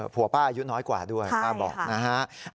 ผัวป้าอายุน้อยกว่าด้วยป้าบอกนะฮะ